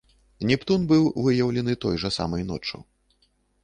Нептун быў выяўлены той жа самай ноччу.